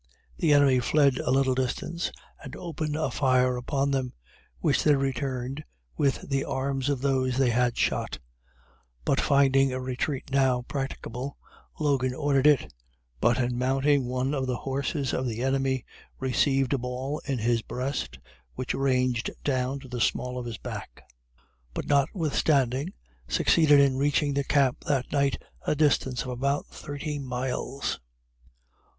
The enemy fled a little distance, and opened a fire upon them, which they returned with the arms of those they had shot; but finding a retreat now practicable, Logan ordered it, but in mounting one of the horses of the enemy, received a ball in his breast which ranged down to the small of his back; but, notwithstanding, succeeded in reaching the camp that night, a distance of about thirty miles.